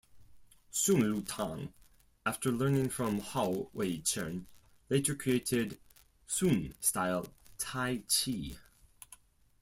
Sun Lutang after learning from Hao Wei-zhen later created Sun style Tai Chi.